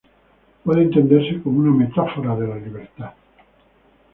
Puede entenderse como una metáfora de la libertad".